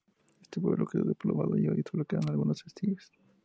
Este pueblo quedó despoblado y hoy sólo quedan algunos vestigios.